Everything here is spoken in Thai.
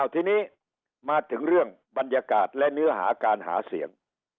ทีนี้มาถึงเรื่องบรรยากาศและเนื้อหาการหาเสียง